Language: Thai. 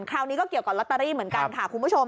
คราวนี้ก็เกี่ยวกับลอตเตอรี่เหมือนกันค่ะคุณผู้ชม